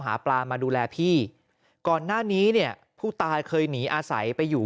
หาปลามาดูแลพี่ก่อนหน้านี้เนี่ยผู้ตายเคยหนีอาศัยไปอยู่